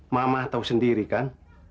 mama tahu sendiri kan